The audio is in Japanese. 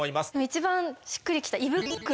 一番しっくりきた胃袋？